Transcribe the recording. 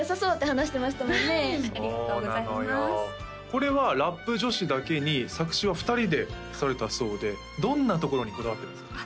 これはラップ女子だけに作詞は２人でされたそうでどんなところにこだわってるんですか？